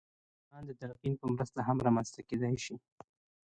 ایمان د تلقین په مرسته هم رامنځته کېدای شي